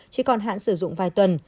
chỉ còn hạn sử dụng vài tuần